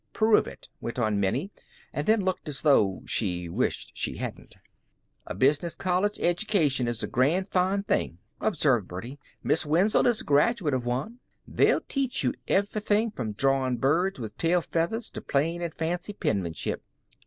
"Prove it," went on Minnie, and then looked as though she wished she hadn't. "A business college edjication is a grand foine thing," observed Birdie. "Miss Wenzel is a graduate av wan. They teach you everything from drawin' birds with tail feathers to plain and fancy penmanship.